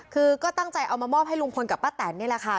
คือก็ตั้งใจเอามามอบให้ลุงพลกับป้าแตนนี่แหละค่ะ